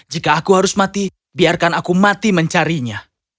jika aku harus mati biarkan aku mati mencarinya